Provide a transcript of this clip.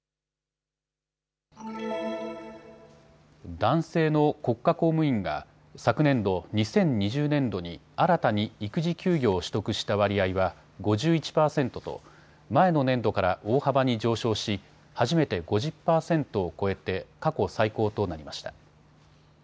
男性の国家公務員が昨年度・２０２０年度に新たに育児休業を取得した割合は５１％と前の年度から大幅に上昇し初めて５０％を超えて過去最高となりました。